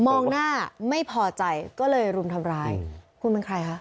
มองหน้าไม่พอใจก็เลยรุมทำร้ายคุณเป็นใครคะ